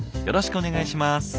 よろしくお願いします。